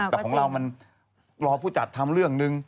แต่ของเรามันรอผู้จัดทำเรื่องนึง